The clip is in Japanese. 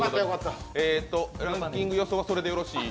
ランキング予想はそれでよろしい？